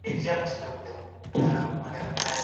د ژوند حق د خدای ورکړی قانون دی.